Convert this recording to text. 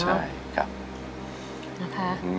ใช่ครับ